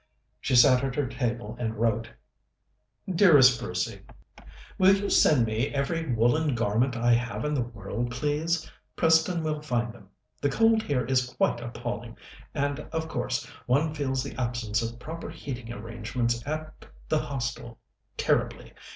She sat at her table and wrote: "DEAREST BRUCEY, "Will you send me every woollen garment I have in the world, please? Preston will find them. The cold here is quite appalling, and, of course, one feels the absence of proper heating arrangements at the Hostel terribly.